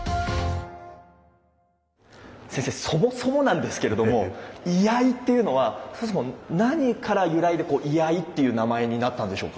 先生そもそもなんですけれども「居合」っていうのは何から由来で居合っていう名前になったんでしょうか？